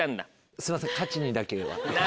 すいません勝ちにだけは。